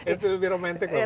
itu lebih romantic lho pak